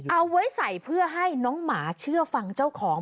เอาไว้ใส่เพื่อให้น้องหมาเชื่อฟังเจ้าของ